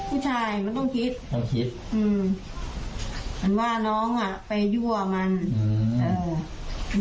ผู้ชายมันต้องคิดต้องคิดอืมมันว่าน้องอ่ะไปยั่วมันอืมเออ